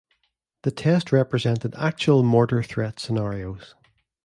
The test represented actual mortar threat scenarios.